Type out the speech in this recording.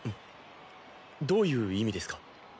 どういう意味ですか？